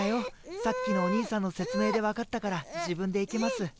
さっきのおにいさんの説明で分かったから自分で行けます。